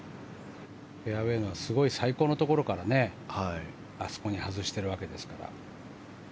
フェアウェーのすごい最高のところからあそこに外しているわけですから。